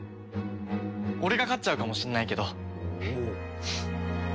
俺が勝っちゃうかもしんないけど。